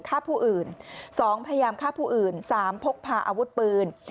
ฆ่าผู้อื่น๒พยายามฆ่าผู้อื่น๓พกพาอาวุธปืน